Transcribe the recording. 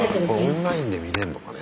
オンラインで見れんのかね。